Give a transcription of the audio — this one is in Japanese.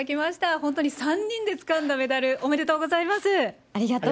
本当に３人でつかんだメダル、おめでとうございます。